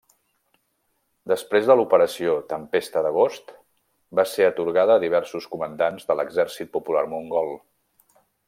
Després de l'Operació Tempesta d'Agost va ser atorgada a diversos comandants de l'Exèrcit Popular Mongol.